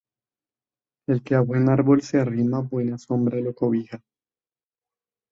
El que a buen árbol se arrima buena sombra lo cobija